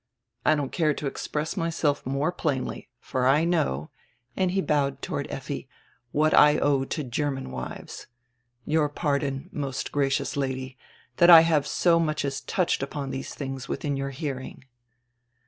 I don't care to express myself more plainly, for I know" — and he bowed toward Effi — "what I owe to German wives. Your pardon, most gracious Lady, diat I have so much as touched upon tiiese tilings within your hearing."